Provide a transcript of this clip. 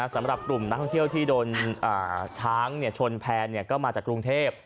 สำหรับกลุ่มนักท่องเที่ยวที่โดนช้างชนแพนก็มาจากกรุงเทพ